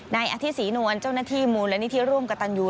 นายอธิศรีนวลเจ้าหน้าที่มูลนิธิร่วมกับตันยู